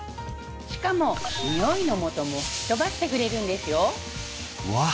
しかもにおいの元も吹き飛ばしてくれるんですよわっ！